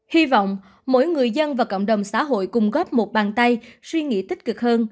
hy vọng mỗi người dân và cộng đồng xã hội cùng góp một bàn tay suy nghĩ tích cực hơn